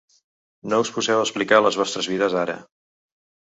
No us poseu a explicar les vostres vides, ara!